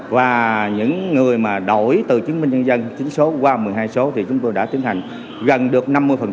và những người mà đổi từ chứng minh nhân dân chứng số qua một mươi hai số thì chúng tôi đã tiến hành gần được năm mươi